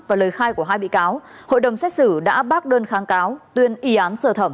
và lời khai của hai bị cáo hội đồng xét xử đã bác đơn kháng cáo tuyên y án sơ thẩm